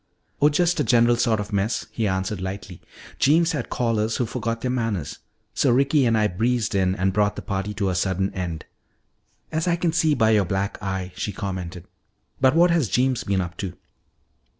"Oh, just a general sort of mess," he answered lightly. "Jeems had callers who forgot their manners. So Ricky and I breezed in and brought the party to a sudden end " "As I can see by your black eye," she commented. "But what has Jeems been up to?"